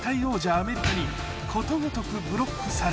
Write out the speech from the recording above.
アメリカにことごとくブロックされ